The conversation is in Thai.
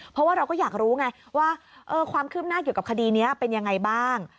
เพราะว่าเราก็อยากรู้ไงว่าความคืบหน้าเกี่ยวกับคดีนี้เป็นยังไงบ้าง